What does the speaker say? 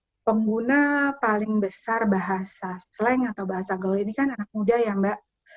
nah pengguna paling besar bahasa slang atau bahasa gaul ini kan anak muda ya mbak